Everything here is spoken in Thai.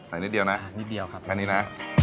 นิดเดียวนะนิดเดียวครับแค่นี้นะ